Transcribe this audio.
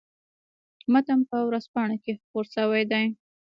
متن په ورځپاڼه کې خپور شوی دی.